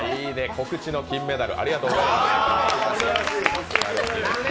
告知の金メダル、ありがとうございます。